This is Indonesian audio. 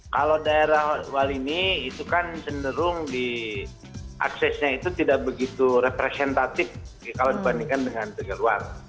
kalau daerah walini itu kan cenderung diaksesnya itu tidak begitu representatif kalau dibandingkan dengan luar